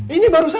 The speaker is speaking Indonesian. ini barusan apa